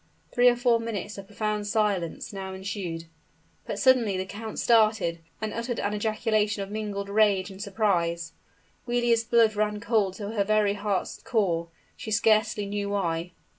Three or four minutes of profound silence now ensued. But suddenly the count started, and uttered an ejaculation of mingled rage and surprise. Giulia's blood ran cold to her very heart's core, she scarcely knew why.